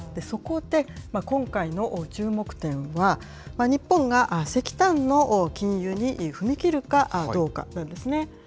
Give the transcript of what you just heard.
そこで今回の注目点は、日本が石炭の禁輸に踏み切るかどうかなんですね。